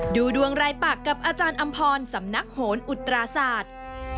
ดูดวงรายปากกับอาจารย์อำพรสำนักโหนอุตราศาสตร์